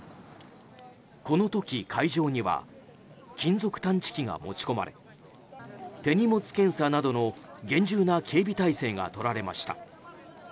この時、会場には金属探知機が持ち込まれ手荷物検査などの厳重な警備態勢がとられました。